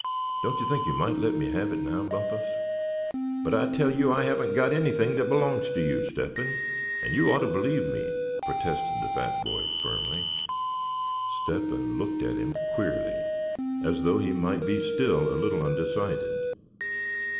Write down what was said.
Don't you think you might let me have it now, Bumpus?" "But I tell you I haven't got anything that belongs to you, Step hen, and you ought to believe me," protested the fat boy, firmly. Step hen looked at him queerly, as though he might be still a little undecided.